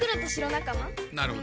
なるほど。